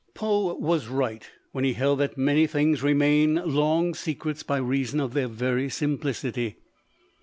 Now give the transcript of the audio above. Poe was right when he held that many things remain long secrets by reason of their very simplicity.